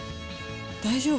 大丈夫？